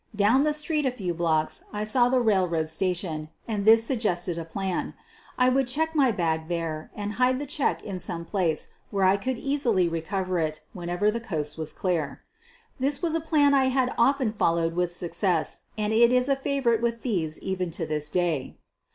Down the street a few blocks I saw the railroad station, and this suggested a plan. I would check my bag there and hide the check in some place where I could easily recover it whenever the coast was clear. This was a plan I had often followed with success, and it is a favorite with thieves even to this day.